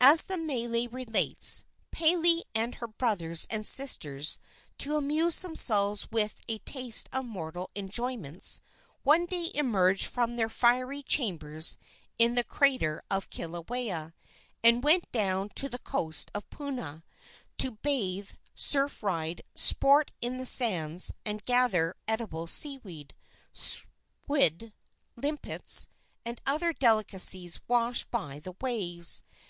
As the mele relates, Pele and her brothers and sisters, to amuse themselves with a taste of mortal enjoyments, one day emerged from their fiery chambers in the crater of Kilauea, and went down to the coast of Puna to bathe, surf ride, sport in the sands, and gather edible sea weed, squid, limpets and other delicacies washed by the waves.